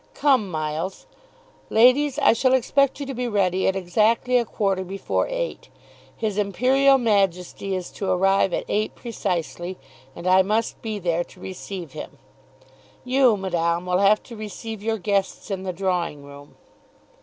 Come, Miles. Ladies, I shall expect you to be ready at exactly a quarter before eight. His Imperial Majesty is to arrive at eight precisely, and I must be there to receive him. You, Madame, will have to receive your guests in the drawing room."